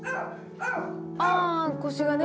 ああ腰がね。